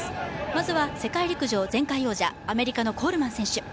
まずは世界陸上、前回王者アメリカのコールマン選手。